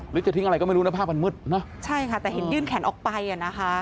หรือจะทิ้งอะไรก็ไม่รู้นะภาพมันมืดเนอะใช่ค่ะแต่เห็นยื่นแขนออกไปอ่ะนะคะ